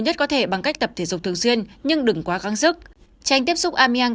nhất có thể bằng cách tập thể dục thường xuyên nhưng đừng quá gắng sức tránh tiếp xúc amniang